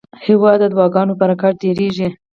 هېواد د دعاګانو په برکت ودریږي.